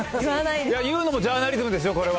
言うのもジャーナリズムですよ、これは。